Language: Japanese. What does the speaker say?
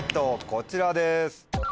こちらです。